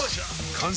完成！